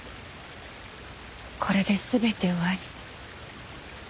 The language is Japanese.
これで全て終わり。